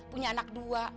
punya anak dua